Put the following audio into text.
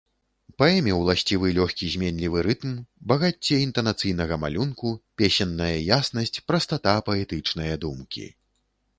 Паэме ўласцівы лёгкі, зменлівы рытм, багацце інтанацыйнага малюнку, песенная яснасць, прастата паэтычнае думкі.